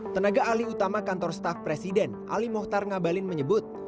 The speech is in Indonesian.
tenaga alih utama kantor staf presiden ali mohtar ngabalin menyebut